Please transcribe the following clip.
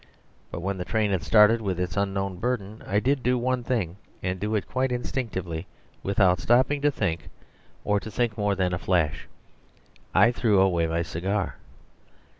But when the train had started with its unknown burden I did do one thing, and do it quite instinctively, without stopping to think, or to think more than a flash. I threw away my cigar.